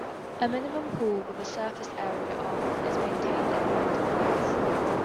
A minimum pool with a surface area of is maintained in the winter months.